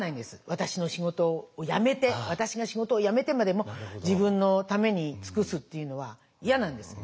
私の仕事を辞めて私が仕事を辞めてまでも自分のために尽くすっていうのは嫌なんです。